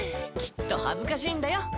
きっと恥ずかしいんだよ。